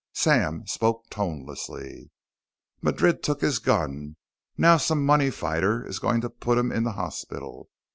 Sam spoke tonelessly. "Madrid took his gun; now some money fighter is going to put him in the hospital.